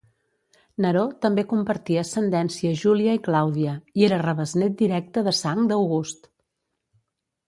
Neró també compartia ascendència Júlia i Clàudia, i era rebesnét directe de sang d'August.